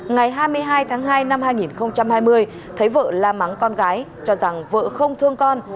ngày hai mươi hai tháng hai năm hai nghìn hai mươi thấy vợ la mắng con gái cho rằng vợ không thương con